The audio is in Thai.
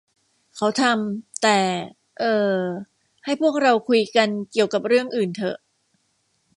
เขาทำ แต่ เอ่อ ให้พวกเราคุยกันเกี่ยวกับเรื่องอื่นเถอะ